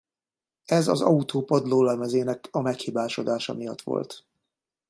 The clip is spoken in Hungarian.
Ez az autó padlólemezének a meghibásodása miatt volt.